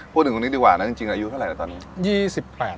พูดถึงตรงนี้ดีกว่านะจริงอายุเท่าไหร่ตอนนี้